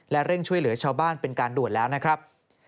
และเร่งช่วยเหลือชาวบ้านเป็นการด่วนแล้วนะครับ